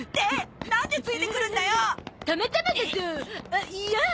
あっいやん！